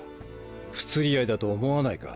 不釣り合いだと思わないか？